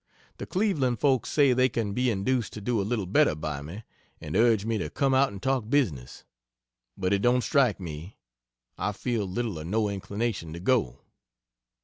The Cleveland folks say they can be induced to do a little better by me, and urge me to come out and talk business. But it don't strike me I feel little or no inclination to go.